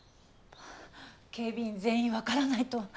警備員全員分からないと。